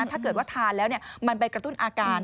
ถ้าเกิดว่าทานแล้วมันไปกระตุ้นอาการ